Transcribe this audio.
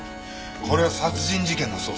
これは殺人事件の捜査や。